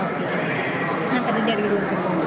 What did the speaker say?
yang terdiri dari lumpur